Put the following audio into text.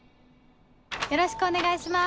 よろしくお願いします。